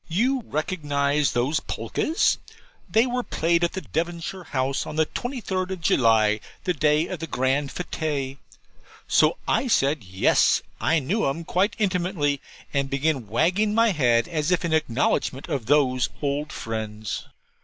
'You recognize those polkas? They were played at Devonshire House on the 23rd of July, the day of the grand fête.' So I said yes I knew 'em quite intimately; and began wagging my head as if in acknowledgment of those old friends.